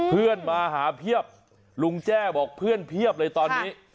เพื่อนมาหาเพียบลุงแจ้บอกเพื่อนเพียบเลยตอนนี้